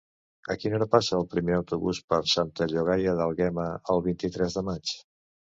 A quina hora passa el primer autobús per Santa Llogaia d'Àlguema el vint-i-tres de maig?